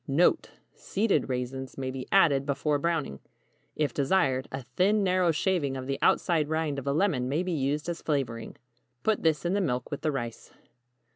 NOTE. Seeded raisins may be added before browning. If desired, a thin narrow shaving of the outside rind of a lemon may be used as flavoring. Put this in the milk with the rice.